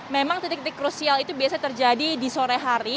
memang titik titik krusial itu biasanya terjadi di sore hari